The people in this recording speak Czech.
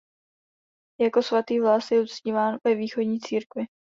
Jako svatý Vlas je uctíván ve východní církvi.